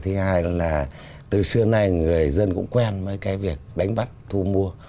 thứ hai là từ xưa nay người dân cũng quen với cái việc đánh bắt thu mua